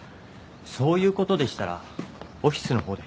そういうことでしたらオフィスの方で。